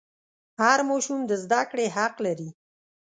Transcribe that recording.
هر ماشوم د زده کړې حق لري.